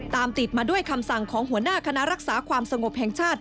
ตามติดมาด้วยคำสั่งของหัวหน้าคณะรักษาความสงบแห่งชาติ